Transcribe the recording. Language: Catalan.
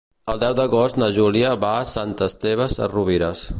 El deu d'agost na Júlia va a Sant Esteve Sesrovires.